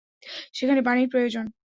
সেখানে পানির প্রয়োজন।